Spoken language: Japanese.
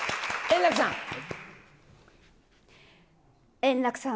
円楽さん。